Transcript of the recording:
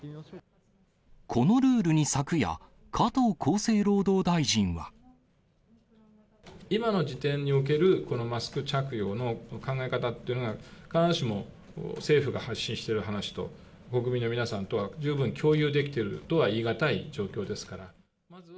このルールに昨夜、加藤厚生労働大臣は。今の時点におけるこのマスク着用の考え方というのは、必ずしも政府が発信している話と、国民の皆さんとは、十分共有できてるとは言い難い状況ですから。